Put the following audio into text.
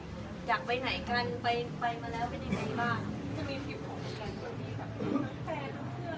ไม่อยากทัญญาเลยไม่รู้ว่าจะไม่ได้ไปหรือเปล่า